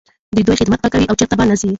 د دوی خدمت به کوې او چرته به نه ځې.